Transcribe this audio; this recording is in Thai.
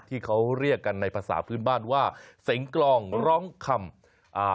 ที่เขาเรียกกันในภาษาพื้นบ้านว่าเสียงกลองร้องคำอ่า